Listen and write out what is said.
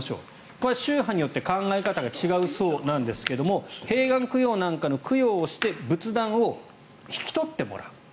これは宗派によって考え方が違うそうなんですが閉眼供養なんかの供養をして仏壇を引き取ってもらう。